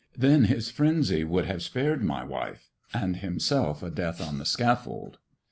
Than his frenzy would have spared my wife, and himself a death on the scaifold."